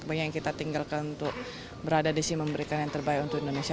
banyak yang kita tinggalkan untuk berada di sini memberikan yang terbaik untuk indonesia